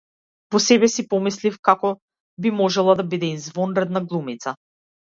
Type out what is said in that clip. Во себе си помислив како би можела да биде извонредна глумица.